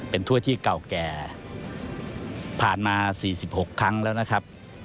เป็นถ้วยที่เก่าแก่ผ่านมา๔๖ครั้งแล้วนะครับ